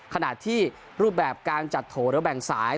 ขณะที่รูปแบบการจัดโถหรือแบ่งสาย